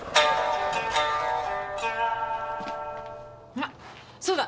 あっそうだ。